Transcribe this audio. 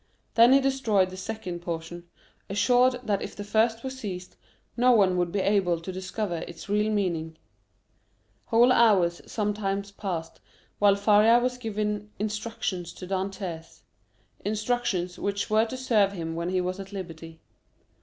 Then he destroyed the second portion, assured that if the first were seized, no one would be able to discover its real meaning. Whole hours sometimes passed while Faria was giving instructions to Dantès,—instructions which were to serve him when he was at liberty.